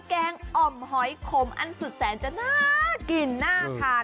แกงอ่อมหอยขมอันสุดแสนจะน่ากินน่าทาน